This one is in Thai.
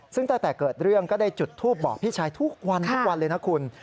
ซึ่งตั้งแต่เกิดเรื่องก็ได้จุดทูปบอกพี่ชายทุกวันทุกวันเลยนะคุณ